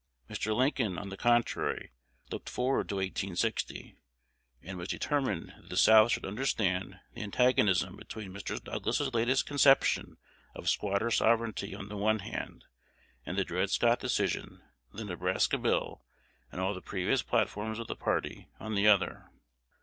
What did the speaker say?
Mr. Lincoln, on the contrary, looked forward to 1860, and was determined that the South should understand the antagonism between Mr. Douglas's latest conception of "squatter sovereignty," on the one hand, and the Dred Scott Decision, the Nebraska Bill, and all previous platforms of the party, on the other.